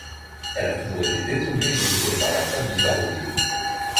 Elle a toujours été détenue et dirigée par la famille Barovier.